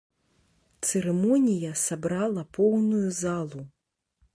Цырымонія сабрала поўную залу.